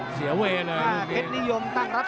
เสียเวย์เลยครับ